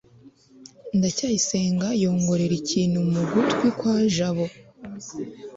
ndacyayisenga yongorera ikintu mu gutwi kwa jabo